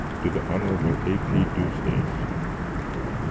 to the Hon. A. P. Deuceace.